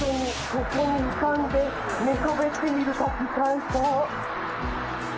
ここに浮かんで寝そべって見る滝、最高。